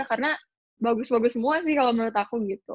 karena bagus bagus semua sih kalo menurut aku gitu